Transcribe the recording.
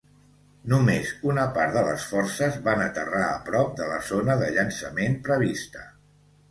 Només una part de les forces van aterrar a prop de la zona de llançament prevista.